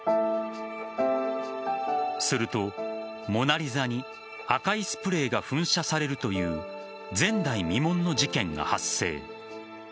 すると「モナ・リザ」に赤いスプレーが噴射されるという前代未聞の事件が発生。